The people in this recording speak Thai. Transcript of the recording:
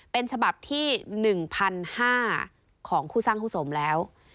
เป็นฉบับที่๑๕๐๐ของคู่สร้างคู่สมแล้ว